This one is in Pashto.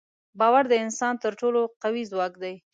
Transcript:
باور د انسان تر ټولو قوي ځواک دی.